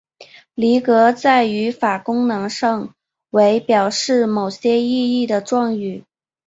离格在语法功能上为表示某些意义的状语。